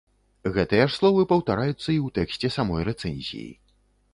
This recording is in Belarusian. Гэтыя ж словы паўтараюцца і ў тэксце самой рэцэнзіі.